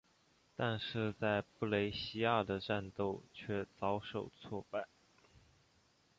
但是在布雷西亚的战斗却遭受挫败。